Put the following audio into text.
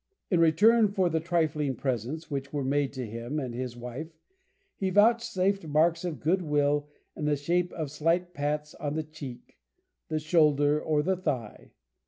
In return for the trifling presents which were made to him and his wife, he vouchsafed marks of goodwill in the shape of slight pats on the cheek, the shoulder, or the thigh.